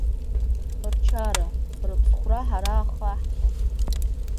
Рчара, рыԥсхәра ҳара ахы аҳҭон.